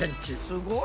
すごい。